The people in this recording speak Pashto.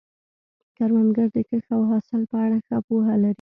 کروندګر د کښت او حاصل په اړه ښه پوهه لري